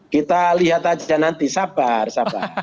kita lihat aja nanti sabar sabar